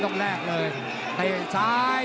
ตามต่อยกที่๓ครับ